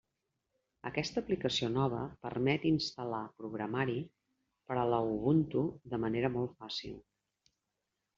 Aquesta aplicació nova permet instal·lar programari per a l'Ubuntu de manera molt fàcil.